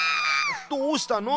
どうしたの？